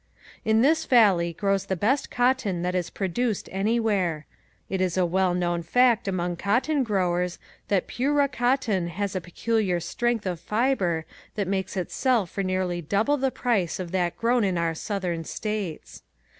In this valley grows the best cotton that is produced anywhere. It is a well known fact among cotton growers that Piura cotton has a peculiar strength of fiber that makes it sell for nearly double the price of that grown in our southern states.